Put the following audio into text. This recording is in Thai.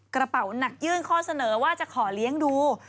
กระเป๋าหนักยื่นข้อเสนอว่าจะขอเลี้ยงดู